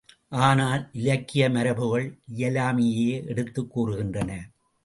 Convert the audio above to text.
ஆனால், இலக்கிய மரபுகள் இயலாமையையே எடுத்துக் கூறுகின்றன.